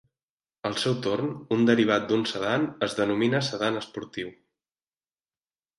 Al seu torn, un derivat d'un sedan es denomina sedan esportiu.